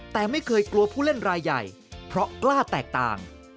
แต่ไม่เคยกลัวผู้เล่นรายใหญ่เพราะกล้าแตกต่าง